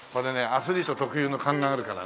アスリート特有の勘があるからね。